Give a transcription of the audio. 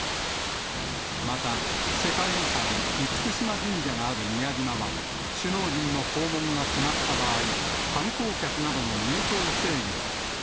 また世界遺産、厳島神社がある宮島は、首脳陣の訪問が決まった場合、観光客などの入島制限。